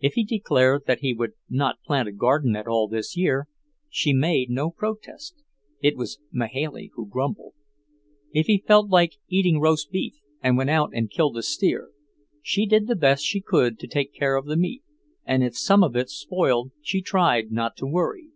If he declared that he would not plant a garden at all this year, she made no protest. It was Mahailey who grumbled. If he felt like eating roast beef and went out and killed a steer, she did the best she could to take care of the meat, and if some of it spoiled she tried not to worry.